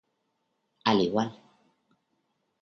Al igual